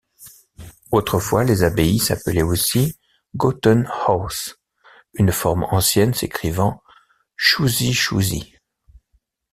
Autrefois, les abbayes s'appelaient aussi Goten hause, une forme ancienne s'écrivant Chuzichusi.